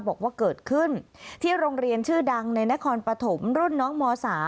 บอกว่าเกิดขึ้นที่โรงเรียนชื่อดังในนครปฐมรุ่นน้องม๓